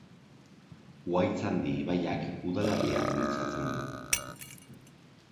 Uhaitzandi ibaiak udalerria gurutzatzen du.